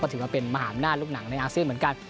ถือว่าเป็นมหาอำนาจลูกหนังในอาเซียนเหมือนกัน